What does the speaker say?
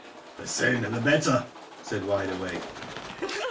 "The sooner the better/^ said Wide Awake.